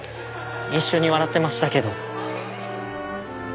一緒に笑ってましたけど。